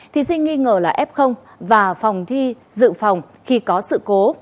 thí sinh nghi ngờ là f và phòng thi dự phòng khi có sự cố